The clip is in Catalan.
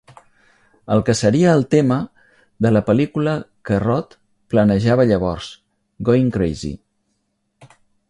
El que seria el tema de la pel·lícula que Roth planejava llavors, Goin' Crazy!